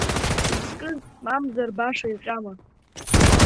Изкыз мамзар баша иҟьама…